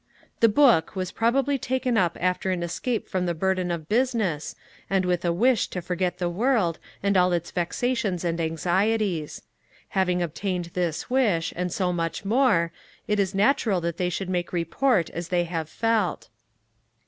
The Book was probably taken up after an escape from the burden of business, and with a wish to forget the world, and all its vexations and anxieties. Having obtained this wish, and so much more, it is natural that they should make report as they have felt.